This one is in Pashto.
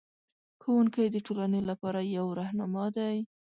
ښوونکی د ټولنې لپاره یو رهنما دی.